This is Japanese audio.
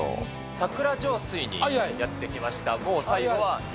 桜上水にやって来ました。